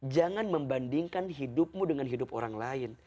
jangan membandingkan hidupmu dengan hidup orang lain